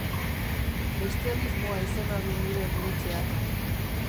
Bestialismoa izena du nire gurutzeak.